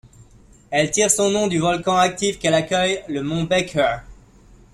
Elle tire son nom du volcan actif qu'elle accueille, le mont Baker.